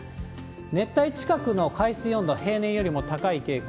熱帯近くの海水温度、平年よりも高い傾向。